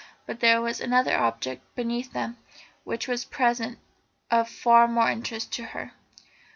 But there was another object beneath them which was at present of far more interest to her.